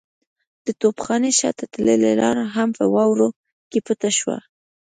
د توپخانې شاته تللې لار هم په واورو کې پټه شوه.